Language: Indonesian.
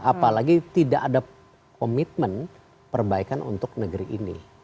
apalagi tidak ada komitmen perbaikan untuk negeri ini